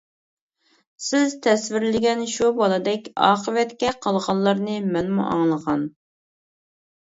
سىز تەسۋىرلىگەن شۇ بالىدەك ئاقىۋەتكە قالغانلارنى مەنمۇ ئاڭلىغان.